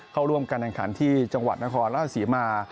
เข้าร่วมการดังขันที่จังหวัดนครและสีมา